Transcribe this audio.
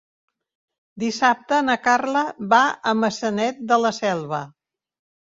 Dissabte na Carla va a Maçanet de la Selva.